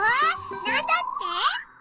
なんだって？